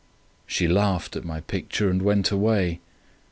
She laughed at my picture and went away.